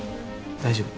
大丈夫。